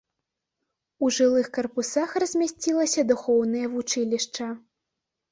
У жылых карпусах размясцілася духоўнае вучылішча.